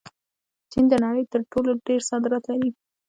چین د نړۍ تر ټولو ډېر صادرات لري.